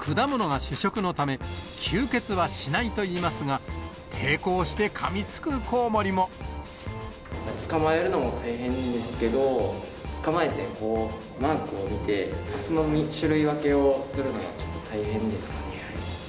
果物が主食のため、吸血はしないといいますが、捕まえるのも大変ですけど、捕まえて、マークを見て、種類分けをするのが大変ですね。